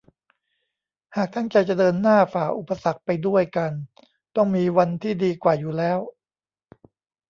หากตั้งใจจะเดินหน้าฝ่าอุปสรรคไปด้วยกันต้องมีวันที่ดีกว่าอยู่แล้ว